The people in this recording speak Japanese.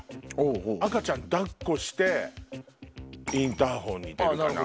赤ちゃん抱っこしてインターホンに出るかな。